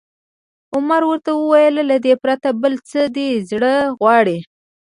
عمر ورته وویل: له دې پرته، بل څه دې زړه غواړي؟